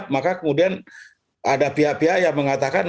maka kemudian ada pihak pihak yang mengatakan